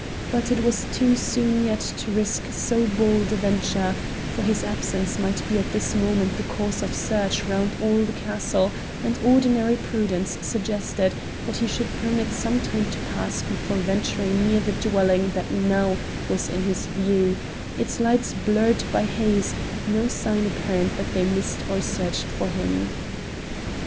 But it was too soon yet to risk so bold a venture, for his absence might be at this moment the cause of search round all the castle, and ordinary prudence suggested that he should permit some time to pass before venturing near the dwelling that now was in his view, its lights blurred by haze, no sign apparent that they missed or searched for him.